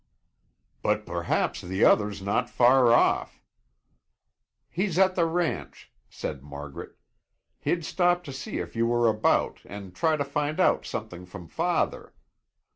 "But perhaps the other's not far off." "He's at the ranch," said Margaret "He'd stop to see if you were about and try to find out something from father.